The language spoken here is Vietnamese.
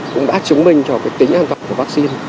cũng đã chứng minh cho cái tính an toàn của vaccine